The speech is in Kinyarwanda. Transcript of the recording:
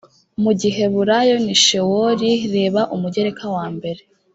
mu giheburayo ni shewoli reba umugereka wa mbere